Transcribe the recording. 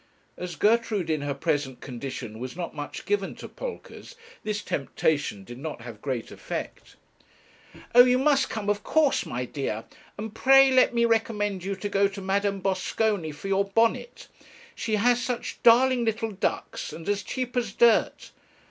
As Gertrude in her present condition was not much given to polkas, this temptation did not have great effect. 'Oh, you must come, of course, my dear and pray let me recommend you to go to Madame Bosconi for your bonnet; she has such darling little ducks, and as cheap as dirt.